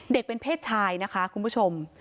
เป็นเพศชายนะคะคุณผู้ชม